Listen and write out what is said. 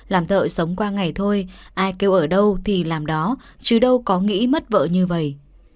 làm thợ sống qua ngày thôi ai kêu ở đâu thì làm đó chứ đâu có nghĩ mất vợ như vậy